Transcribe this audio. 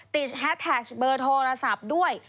แฮสแท็กเบอร์โทรศัพท์ด้วย